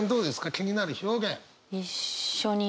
気になる表現。